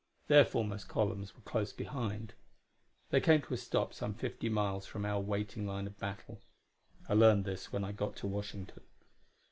Their foremost columns were close behind. They came to a stop some fifty miles from our waiting line of battle: I learned this when I got to Washington.